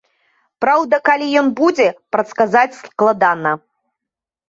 Праўда, калі ён будзе, прадказаць складана.